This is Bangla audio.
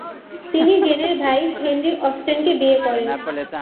তিনি জেনের ভাই হেনরি অস্টেনকে বিয়ে করেন।